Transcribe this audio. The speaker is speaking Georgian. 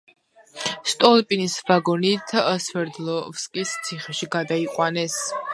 სტოლიპინის ვაგონით სვერდლოვსკის ციხეში გადაიყვანეს.